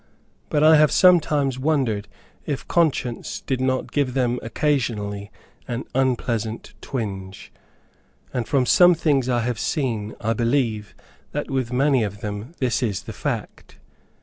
But I have sometimes wondered if conscience did not give them occasionally, an unpleasant twinge; and from some things I have seen, I believe, that with many of them, this is the fact.